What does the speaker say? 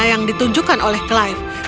yang ditunjukkan oleh clive